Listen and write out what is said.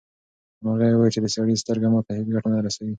مرغۍ وویل چې د سړي سترګه ماته هیڅ ګټه نه رسوي.